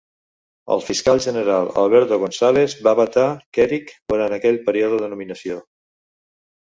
El fiscal general Alberto Gonzales va vetar Kerik durant aquell període de nominació.